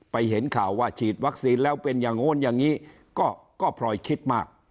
เห็นข่าวว่าฉีดวัคซีนแล้วเป็นอย่างโน้นอย่างนี้ก็พลอยคิดมาก